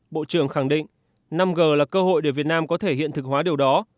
bộ trưởng khẳng định năm g là cơ hội để việt nam có thể hiện thực hóa điều đó